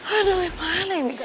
aduh gimana ini